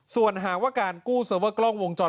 ส่วนหากว่าการกู้เซอร์เวอร์กล้องวงจร